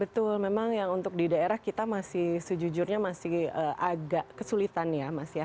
betul memang yang untuk di daerah kita masih sejujurnya masih agak kesulitan ya mas ya